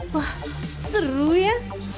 wah seru ya